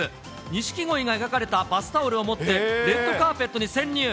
ニシキゴイが描かれたバスタオルを持って、レッドカーペットに潜入。